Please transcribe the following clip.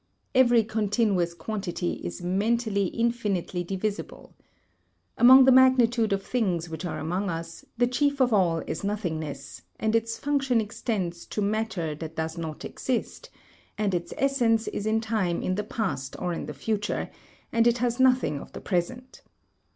Every continuous quantity is mentally infinitely divisible. Among the magnitude of things which are among us, the chief of all is nothingness; and its function extends to matter that does not exist, and its essence is in time in the past or in the future, and it has nothing of the present.